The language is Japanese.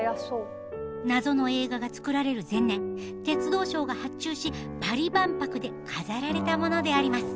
謎の映画が作られる前年鉄道省が発注しパリ万博で飾られたものであります。